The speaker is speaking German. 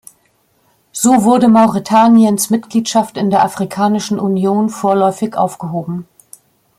So wurde Mauretaniens Mitgliedschaft in der Afrikanischen Union vorläufig aufgehoben.